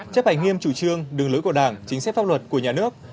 chấp hành nghiêm chủ trương đường lưới của đảng chính xác pháp luật của nhà nước